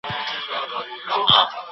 کلي پلټني د مسایلو په پوهېدلو کي مرسته کوي.